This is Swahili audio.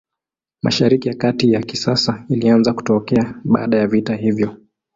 Mashariki ya Kati ya kisasa ilianza kutokea baada ya vita hiyo.